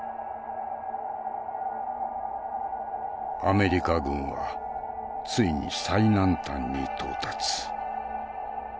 アメリカ軍はついに最南端に到達。